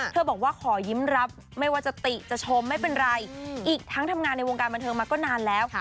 บอกว่าขอยิ้มรับไม่ว่าจะติจะชมไม่เป็นไรอีกทั้งทำงานในวงการบันเทิงมาก็นานแล้ว